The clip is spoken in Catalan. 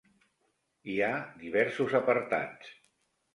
Hi ha diversos apartats.